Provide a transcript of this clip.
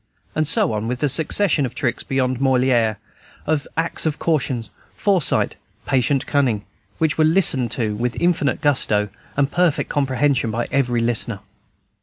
And so on, with a succession of tricks beyond Moliere, of acts of caution, foresight, patient cunning, which were listened to with infinite gusto and perfect comprehension by every listener.